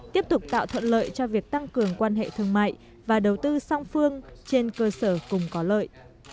tiếp tục tạo thuận lợi cho việc tăng cường quan hệ thương mại và đầu tư song phương trên cơ sở cùng có lợi